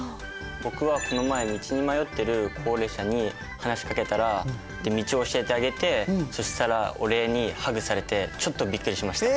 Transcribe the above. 僕はこの前道に迷ってる高齢者に話しかけたらで道を教えてあげてそしたらお礼にハグされてちょっとびっくりしました。